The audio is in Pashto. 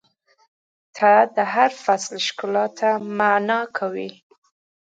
• ته د هر فصل ښکلا ته معنا ورکوې.